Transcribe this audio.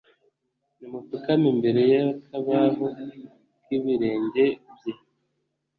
nimupfukame imbere y’akabaho k’ibirenge bye